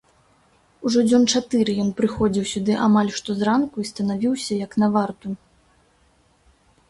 Ужо дзён чатыры ён прыходзіў сюды амаль што зранку і станавіўся як на варту.